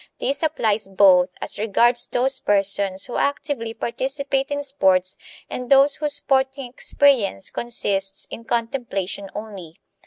This applies both as regards those persons who actively participate in sports and those whose sporting experience consists in contemplation only.